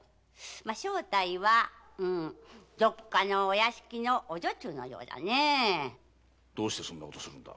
まあ正体はどっかのお屋敷のお女中のようだねえ。どうしてそんなことするんだ？